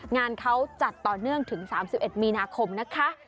งานเขาจัดต่อเนื่องถึง๓๑มีนาคมนะคะ